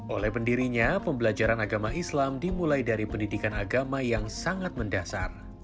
oleh pendirinya pembelajaran agama islam dimulai dari pendidikan agama yang sangat mendasar